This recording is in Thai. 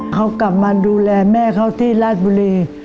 เขากลับมาดูแลแม่เขาที่ราชบุรี